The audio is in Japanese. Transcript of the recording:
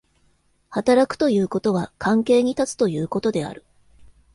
働くということは関係に立つということである。